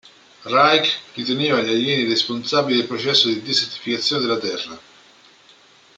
Reich riteneva gli alieni responsabili del processo di desertificazione della Terra.